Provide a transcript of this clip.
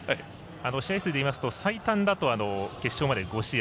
試合数で言うと最短だと決勝まで５試合。